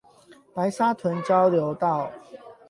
白沙屯交流道